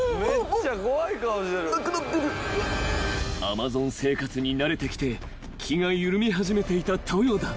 ［アマゾン生活に慣れてきて気が緩み始めていたトヨダ］